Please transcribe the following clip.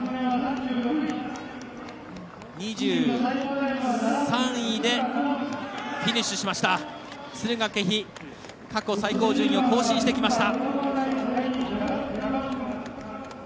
２３位でフィニッシュした敦賀気比過去最高順位を更新してきました。